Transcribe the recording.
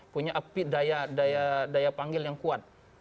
punya api daya daya panggil yang kuat